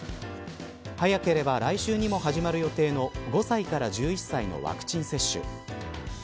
早ければ来週にも始まる予定の５歳から１１歳のワクチン接種。